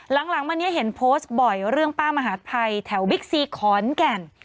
หลังวันนี้เห็นโพสต์บ่อยเรื่องป้ามหาดไทยแถวบิ๊กซีขอนแก่น